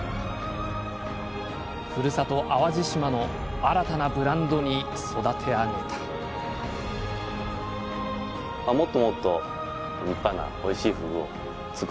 ふるさと淡路島の新たなブランドに育て上げたさて！